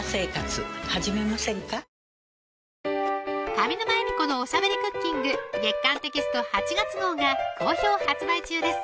上沼恵美子のおしゃべりクッキング月刊テキスト８月号が好評発売中です